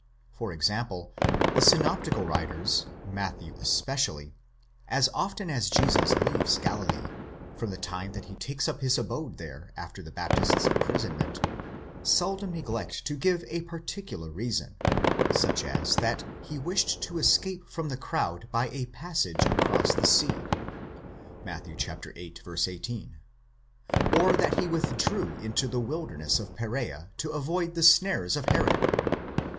For example, the synoptical writers, Matthew especially, as often as Jesus leaves Galilee, from the time that he takes up his abode there after the Baptist's imprisonment, seldom neglect to give a particular reason ; such as that he wished to escape from the crowd by a passage across the sea (Matt. viii. 18), or that he withdrew into the wilderness of Perea to avoid the snares of Herod (xiv.